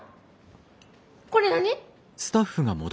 これ何？